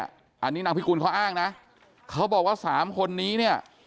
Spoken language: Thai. อันนี้นางพิกูลเขาอ้างนะเขาบอกว่าสามคนนี้เนี่ย